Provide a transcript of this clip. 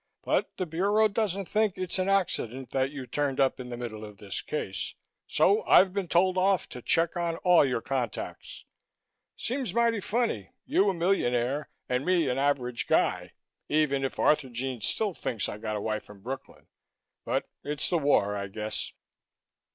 But the Bureau doesn't think it's an accident that you turned up in the middle of this case, so I've been told off to check on all your contacts. Seems mighty funny, you a millionaire and me an average guy even if Arthurjean still thinks I got a wife in Brooklyn, but it's the war, I guess."